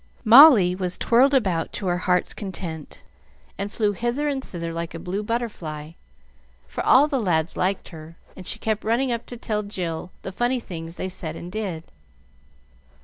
Molly was twirled about to her heart's content, and flew hither and thither like a blue butterfly; for all the lads liked her, and she kept running up to tell Jill the funny things they said and did.